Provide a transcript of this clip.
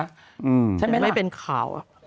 ใช่ไหมน่ะอเรนนี่แต่ไม่เป็นข่าว